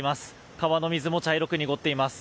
川の水も茶色く濁っています。